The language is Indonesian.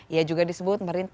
ia juga disebut merintah